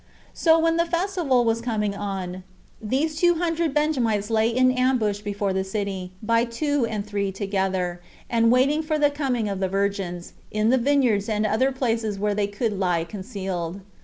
So when the festival was coming on, these two hundred Benjamites lay in ambush before the city, by two and three together, and waited for the coming of the virgins, in the vineyards and other places where they could lie concealed.